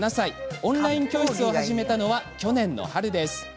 オンライン料理教室を始めたのは去年の春。